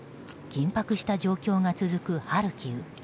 緊迫した状況が続くハルキウ。